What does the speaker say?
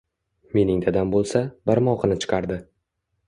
Mening dadam boʻlsa, barmogʻini chiqardi.